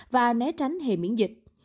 và né tránh hệ miễn dịch